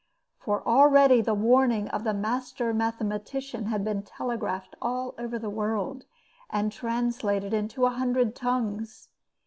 For already the warning of the master mathematician had been telegraphed all over the world, and translated into a hundred tongues.